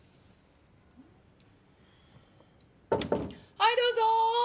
はいどうぞ。